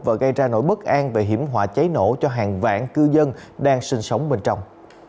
và gây ra nỗi bất an về hiểm họa cháy nổ cho hàng vạn cư dân đang sinh sống bên trong